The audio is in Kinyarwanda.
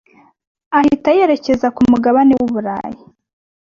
ahita yerekeza ku mugabane w’ Uburayi.